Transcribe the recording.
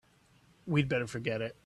We'd better forget it.